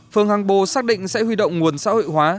phường hàng bồ xác định sẽ huy động nguồn xã hội hóa